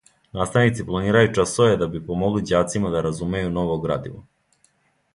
Наставници планирају часове да би помогли ђацима да разумеју ново градиво.